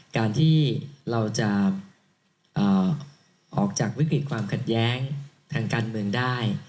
การที่เราจะออกจากวิกฤตความขัดแย้งทางการเมืองได้